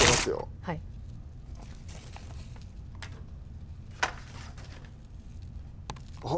はいあっ